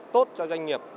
tốt cho doanh nghiệp